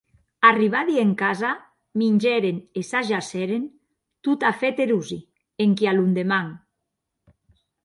Arribadi ena casa, mingèren e s’ajacèren, totafèt erosi, enquia londeman.